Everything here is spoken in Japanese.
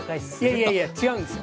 いやいやいや違うんですよ。